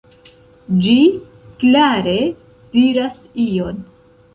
Ĝi klare diras ion.